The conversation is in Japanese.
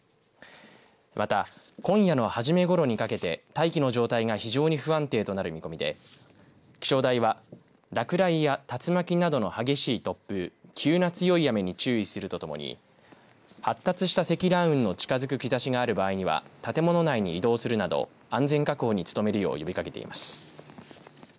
また今夜の初めごろにかけて大気の状態が非常に不安定となる見込みで気象台は落雷や竜巻などの激しい突風急な強い雨に注意するとともに発達した積乱雲の近づく兆しがある場合には建物内に移動するなど安全確保に努めるよう呼びかけています。